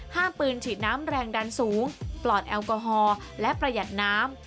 ห้ามปืนฉีดน้ำแรงดันสูงปลอดแอลกอฮอล์และประหยัดน้ำ